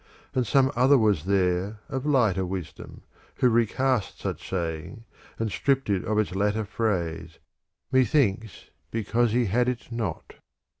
And some other was there of lighter wisdom, who recast such saying, and stripped it of its latter phrase, methinks because he had it not.